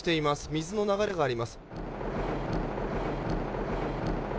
水の流れがあります。